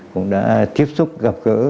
cũng đã tiếp xúc gặp gỡ